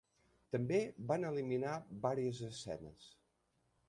També van eliminar varies escenes.